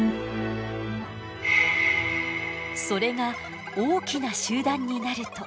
それが大きな集団になると。